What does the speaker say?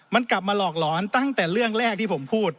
มันกลับมาหลอกหลอนตั้งแต่เรื่องแรกที่ผมพูด